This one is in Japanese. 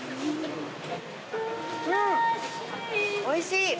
おいしい。